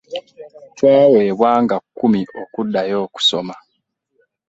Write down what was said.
Twaweebwa nga kkumi okuddayo okusoma.